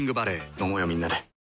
飲もうよみんなで。